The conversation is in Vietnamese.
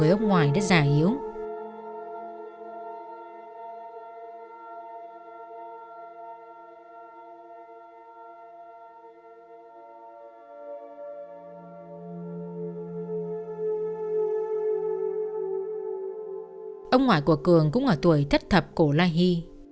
ông ngoại của cường cũng ở tuổi thất thập cổ la hi